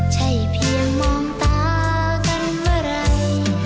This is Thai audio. ใช่เพียงมองตากันเมื่อไหร่